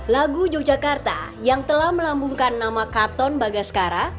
lagu yogyakarta yang telah melambungkan nama katon bagaskara